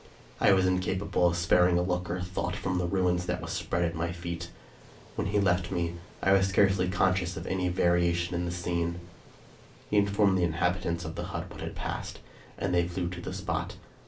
I was incapable of sparing a look or a thought from the ruin that was spread at my feet. When he left me, T was scarcely conscious of any varia tion in the scene. He informed the inhabitants of the hut of what had passed, and they flew to the spot.